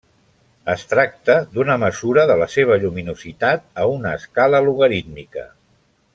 Es tracta d'una mesura de la seva lluminositat a una escala logarítmica.